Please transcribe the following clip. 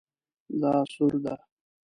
دا سور ده